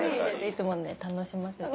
いつもね楽しませて。